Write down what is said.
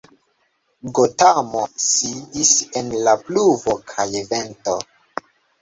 Gotamo sidis en la pluvo kaj vento.